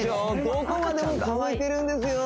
どこまでも続いてるんですよ